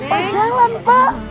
pak jangan pak